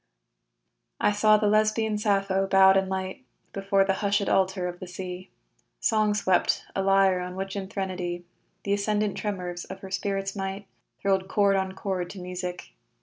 I saw the Lesbian Sappho bowed in light Before the hushed altar of the sea Song swept, a lyre on which in threnody Th' ascendant tremors of her spirit's might Thrilled chord on chord to music.